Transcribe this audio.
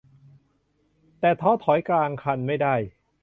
แต่ท้อถอยกลางคันไม่ได้